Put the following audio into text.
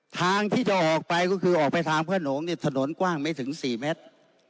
ทางที่จะออกไปก็คือออกไปทางพระโหนงเนี่ยถนนกว้างไม่ถึง๔เมตร